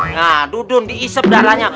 nah dudun di isep darahnya